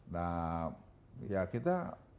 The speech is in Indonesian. nah ya kita